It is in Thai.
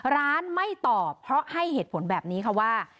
ร้านไม่ตอบเพราะให้เหตุผลแบบนี้ค่ะว่า